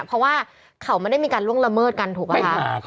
เพราะว่าเขาไม่ได้มีการล่วงละเมิดกันถูกป่ะคะ